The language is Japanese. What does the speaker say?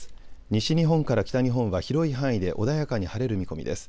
西日本から北日本は広い範囲で穏やかに晴れる見込みです。